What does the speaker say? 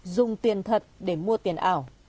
dùng tiền thật để mua tiền ảo